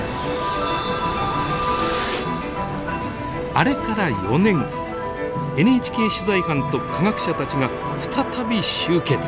あれから４年ＮＨＫ取材班と科学者たちが再び集結。